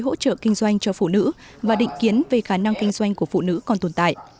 hỗ trợ kinh doanh cho phụ nữ và định kiến về khả năng kinh doanh của phụ nữ còn tồn tại